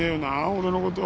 俺のこと。